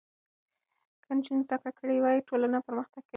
که نجونې زده کړې وکړي ټولنه پرمختګ کوي.